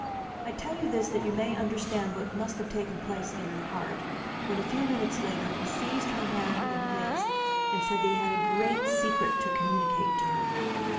I tell you this that you may understand what must have taken place in her heart when, a few minutes later, he seized her hand in his and said that he had a great secret to communicate to her.